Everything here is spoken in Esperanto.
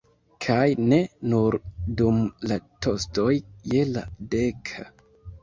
Kaj ne nur dum la tostoj je la deka.